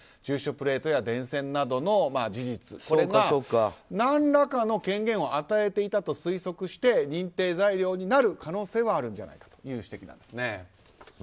プレートや電線などの事実それが何らかの権限を与えていたと推測して認定材料になる可能性はあるんじゃないかという指摘です。